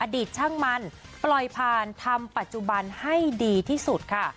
ช่างมันปล่อยผ่านทำปัจจุบันให้ดีที่สุดค่ะ